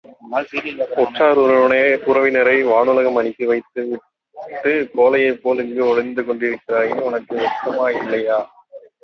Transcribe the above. உற்றார் உறவினரை வானுலகம் அனுப்பி வைத்து விட்டுக் கோழையைப் போல் இங்கு ஒளிந்து கொண்டிருக்கிறாயே, உனக்கு வெட்கமில்லையா?